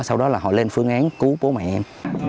sau đó là họ lên phương án cứu bố mẹ em